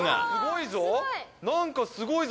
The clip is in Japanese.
すごいぞ。